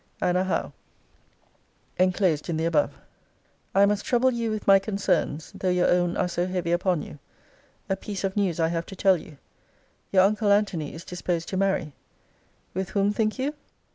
ANNA HOWE. ENCLOSED IN THE ABOVE. I must trouble you with my concerns, though your own are so heavy upon you. A piece of news I have to tell you. Your uncle Antony is disposed to marry. With whom, think you?